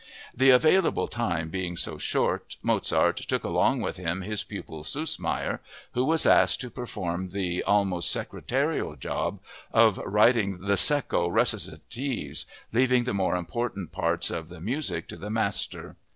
The available time being so short, Mozart took along with him his pupil Süssmayr, who was asked to perform the almost secretarial job of writing the secco recitatives, leaving the more important parts of the music to the master.